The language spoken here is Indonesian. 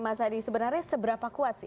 mas adi sebenarnya seberapa kuat sih